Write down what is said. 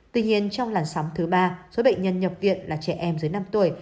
tuy nhiên trong làn sóng thứ ba số bệnh nhân nhập viện là trẻ em dưới năm tuổi